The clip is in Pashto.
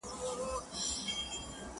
o د ړانده او گونگي ترمنځ جنگ نه پېښېږي!